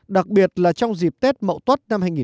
đặc biệt là trong dịp tết mậu tuất năm hai nghìn một mươi tám